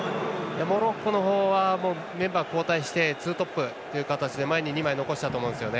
モロッコの方はメンバー交代してツートップという形で前に２枚残したと思うんですよね。